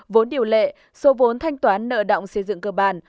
vốn điều lệ số vốn thanh toán nợ động xây dựng cơ bản